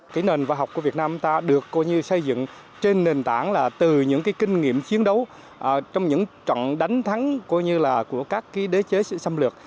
cái nền văn học của việt nam ta được coi như xây dựng trên nền tảng là từ những cái kinh nghiệm chiến đấu trong những trận đánh thắng coi như là của các cái đế chế sự xâm lược